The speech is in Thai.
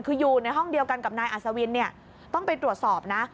คืออยู่ในห้องเดียวกันกับนายอัศวินเนี่ยต้องไปตรวจสอบนะ